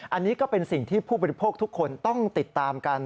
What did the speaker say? อันนี้ก็เป็นสิ่งที่ผู้บริโภคทุกคนต้องติดตามกัน